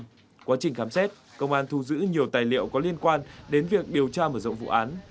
trong quá trình khám xét công an thu giữ nhiều tài liệu có liên quan đến việc điều tra mở rộng vụ án